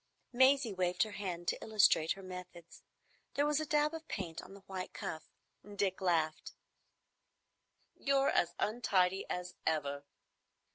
Maisie waved her hand to illustrate her methods. There was a dab of paint on the white cuff. Dick laughed. "You're as untidy as ever."